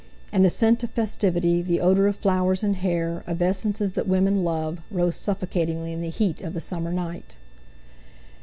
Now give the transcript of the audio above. And the scent of festivity, the odour of flowers, and hair, of essences that women love, rose suffocatingly in the heat of the summer night.